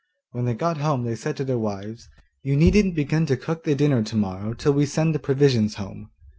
When they got home they said to their wives, 'You needn't begin to cook the dinner to morrow till we send the provisions home.